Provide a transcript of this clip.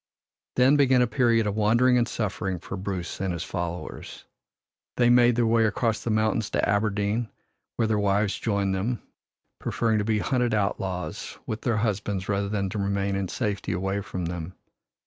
Then began a period of wandering and suffering for Bruce and his followers. They made their way across the mountains to Aberdeen, where their wives joined them, preferring to be hunted outlaws with their husbands rather than to remain in safety away from them.